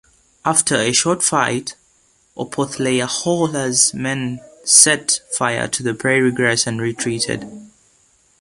After a short fight, Opothleyahola's men set fire to the prairie grass and retreated.